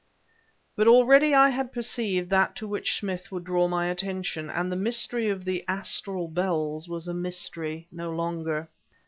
But already I had perceived that to which Smith would draw my attention, and the mystery of the "astral bells" was a mystery no longer.